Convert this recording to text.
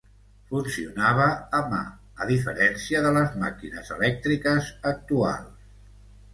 Funcionava a mà, a diferència de les maquinetes elèctriques actuals.